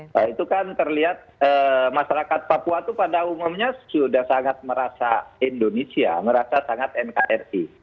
nah itu kan terlihat masyarakat papua itu pada umumnya sudah sangat merasa indonesia merasa sangat nkri